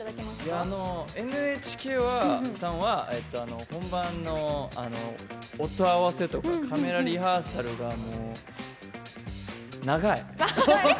ＮＨＫさんは本番の音合わせとかカメラリハーサルが長い。